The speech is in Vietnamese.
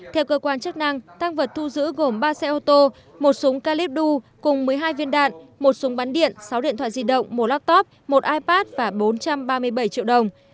theo cơ quan chức năng tăng vật thu giữ gồm ba xe ô tô một súng calipdu cùng một mươi hai viên đạn một súng bắn điện sáu điện thoại di động một laptop một ipad và bốn trăm ba mươi bảy triệu đồng